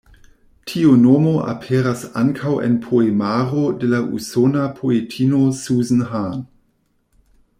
Tiu nomo aperas ankaŭ en poemaro de la usona poetino Susan Hahn.